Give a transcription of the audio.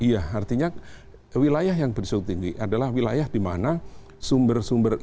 iya artinya wilayah yang berisiko tinggi adalah wilayah di mana sumber sumber